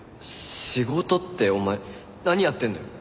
仕事ってお前何やってんの？